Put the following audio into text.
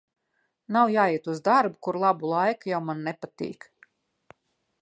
Nav jāiet uz darbu, kur labu laiku jau man nepatīk.